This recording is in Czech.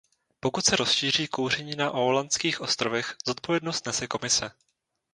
Pokud se rozšíří kouření na Ålandských ostrovech, zodpovědnost nese Komise.